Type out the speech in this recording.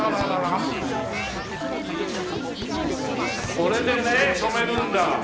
これでね染めるんだ。